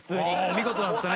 見事だったね。